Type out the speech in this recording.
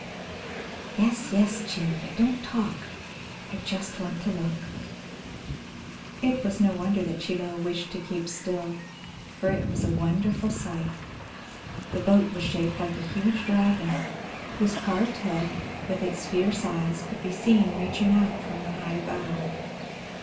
"Yes, yes, Chin, but don't talk; I just want to look." It was no wonder that Chie Lo wished to keep still, for it was a wonderful sight. The boat was shaped like a huge dragon, whose carved head, with its fierce eyes, could be seen reaching out from the high bow.